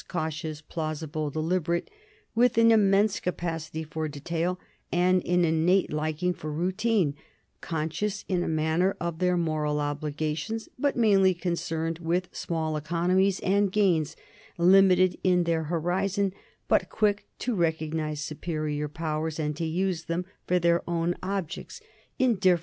. cautious, plausible, deliberate, with an im mense capacity for detail, and an innate liking for rou tine ; conscious in a manner of their moral obligations, but mainly concerned with small economies and gains; limited in their horizon, but quick to recognise superior powers and to use them for their own objects; indifferent 1 Roman de Rou (ed.